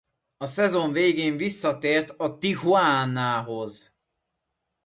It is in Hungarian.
A szezon végén visszatért a Tijuanához.